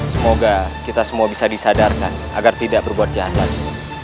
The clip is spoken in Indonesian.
semoga kita semua bisa disadarkan agar tidak berbuat jahat lagi